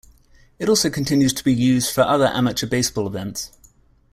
It also continues to be used for other amateur baseball events.